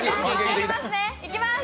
いきます！